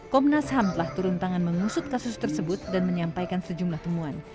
komnas ham telah turun tangan mengusut kasus tersebut dan menyampaikan sejumlah temuan